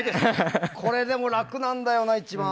これ、でも楽なんだよな一番。